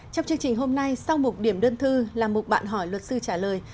trong chương trình hôm nay sau một điểm đơn thư là một bạn hỏi luật sư trả lời